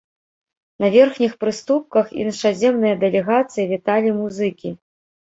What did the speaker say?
На верхніх прыступках іншаземныя дэлегацыі віталі музыкі.